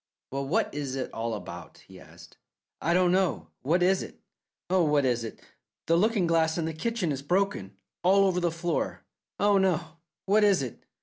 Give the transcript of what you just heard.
"Well, what is it all about?" he asked. "I don't know. What is it? Oh, what is it? The looking glass in the kitchen is broken. All over the floor. Oh, oh! What is it?"